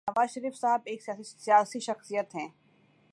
نواز شریف صاحب ایک سیاسی شخصیت ہیں۔